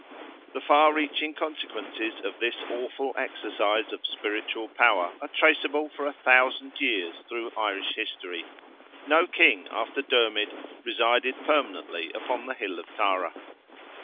The far reaching consequences of this awful exercise of spiritual power are traceable for a thousand years through Irish history. No king after Dermid resided permanently upon the hill of Tara.